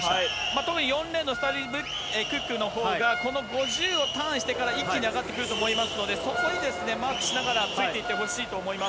特に４レーンのスタブルティクックのほうがこの５０をターンしてから、一気に上がってくると思いますので、そこにマークしながらついていってほしいと思います。